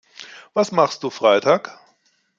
Was machst du Freitag?